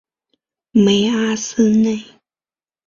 梅阿斯内。